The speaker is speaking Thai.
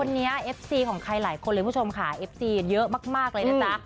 นี้เอฟซีของใครหลายคนเลยค่ะเยอะมากเลยนะ